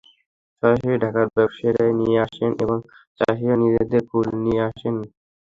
সরাসরি ঢাকার ব্যবসায়ীরা নিয়ে আসেন এবং চাষিরাও নিজেদের ফুল নিয়ে এখানে আসেন।